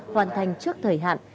hoàn thành trước thời hạn